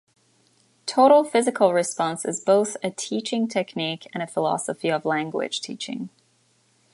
Total physical response is both a teaching technique and a philosophy of language teaching.